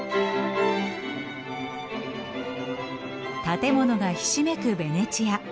建物がひしめくベネチア。